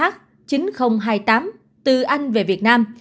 h chín nghìn hai mươi tám từ anh về việt nam